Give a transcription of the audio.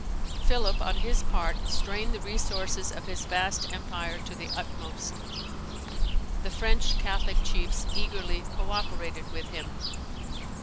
Philip, on his part, strained the resources of his vast empire to the utmost. The French Catholic chiefs eagerly co operated with him.